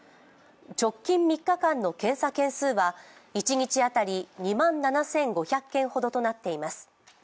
直近３日間の検査件数は一日当たり２万７５００件ほどとなっています。